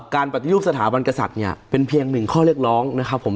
ปฏิรูปสถาบันกษัตริย์เนี่ยเป็นเพียงหนึ่งข้อเรียกร้องนะครับผม